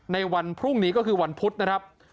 ในวันพรุ่งนี้ก็คือวันพุธนะครับ